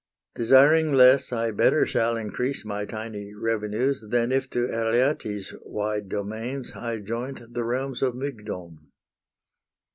Desiring less, I better shall increase My tiny revenues, Than if to Alyattes' wide domains I join'd the realms of Mygdon.